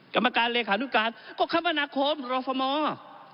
กรรมการเลขานุการก็คมนาคมรฟมอร์